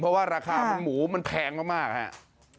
เพราะว่าราคามันหมูมันแพงมากครับ